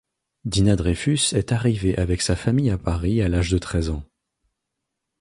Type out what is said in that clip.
Dina Dreyfus est arrivée avec sa famille à Paris à l'âge de treize ans.